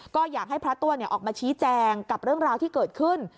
ก็อยากให้พระตัวออกมาชี้แจงกับเรื่องราวที่เกิดขึ้น